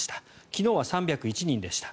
昨日は３０１人でした。